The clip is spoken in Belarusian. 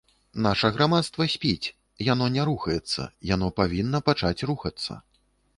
Наша грамадства спіць, яно не рухаецца, яно павінна пачаць рухацца.